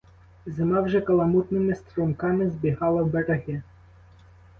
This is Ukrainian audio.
Зима вже каламутними струмками збігала в береги.